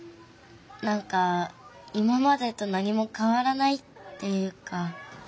なんか今までと何もかわらないっていうか。